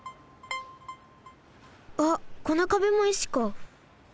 あっこのかべも石か。